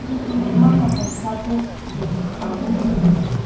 Mana qhachqachu, lluskʼam.